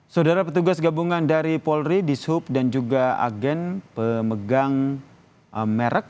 saudara petugas gabungan dari polri dishub dan juga agen pemegang merek